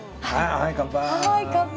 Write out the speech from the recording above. はい乾杯。